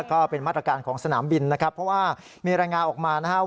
ก็เป็นมาตรการของสนามบินนะครับเพราะว่ามีรายงานออกมานะครับ